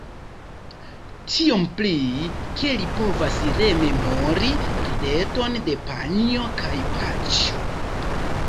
Tiom pli, ke li povas rememori rideton de panjo kaj paĉjo.